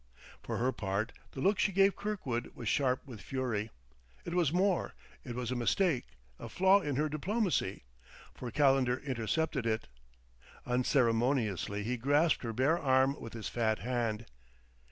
For her part, the look she gave Kirkwood was sharp with fury. It was more; it was a mistake, a flaw in her diplomacy; for Calendar intercepted it. Unceremoniously he grasped her bare arm with his fat hand.